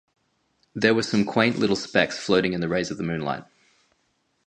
There were some quaint little specks floating in the rays of the moonlight.